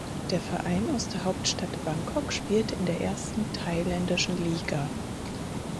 Der Verein aus der Hauptstadt Bangkok spielte in der ersten thailändischen Liga.